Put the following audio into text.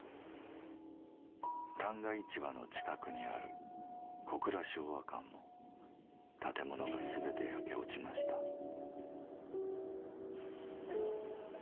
旦過市場の近くにある小倉昭和館も建物が全て焼け落ちましたでも。